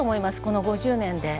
この５０年で。